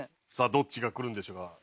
さあどっちがくるんでしょうか。